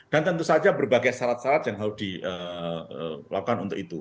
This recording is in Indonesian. dan tentu saja berbagai syarat syarat yang harus dilakukan untuk itu